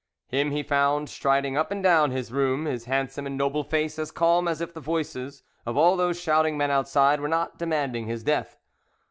Him he found striding up and down his room, his handsome and noble face as calm as if the voices of all those shouting men outside were not demanding his death.